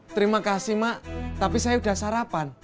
terima kasih mak tapi saya sudah sarapan